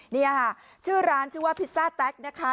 นี่ค่ะชื่อร้านชื่อว่าพิซซ่าแต๊กนะคะ